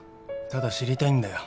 ただ知りたいんだよ。